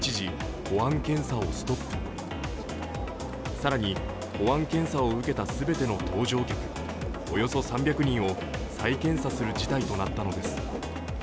更に、保安検査を受けた全ての搭乗客およそ３００人を再検査する事態となったのです。